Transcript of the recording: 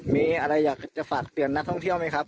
มีอะไรอยากจะฝากเตือนนักท่องเที่ยวไหมครับ